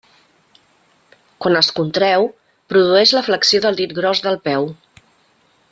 Quan es contreu produeix la flexió del dit gros del peu.